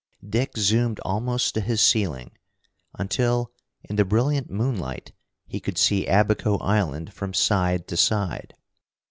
Dick zoomed almost to his ceiling, until, in the brilliant moonlight, he could see Abaco Island from side to side.